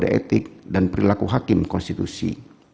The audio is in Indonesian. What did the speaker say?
kode etik dan perilaku hakim konstitusi